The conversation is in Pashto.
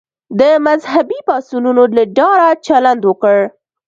د مذهبي پاڅونونو له ډاره چلند وکړ.